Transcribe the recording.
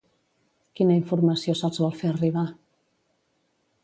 Quina informació se'ls vol fer arribar?